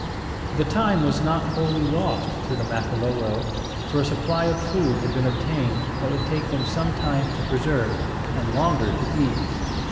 The time was not wholly lost to the Makololo, for a supply of food had been obtained that would take them some time to preserve, and longer to eat.